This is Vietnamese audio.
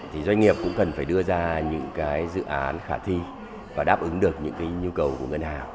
thì doanh nghiệp cũng cần phải đưa ra những cái dự án khả thi và đáp ứng được những cái nhu cầu của ngân hàng